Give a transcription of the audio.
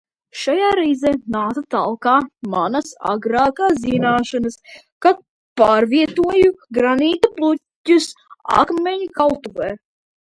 Šajā reizē nāca talkā manas agrākās zināšanas, kad pārvietoju granīta bluķus akmeņkaltuvē.